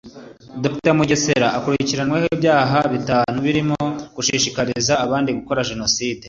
Dr Mugesera akurikirwanyweho ibyaha bitanu birimo gushishikariza abandi gukora jenoside